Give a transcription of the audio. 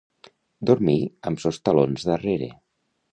Dormir amb sos talons darrere.